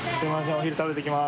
お昼食べてきます。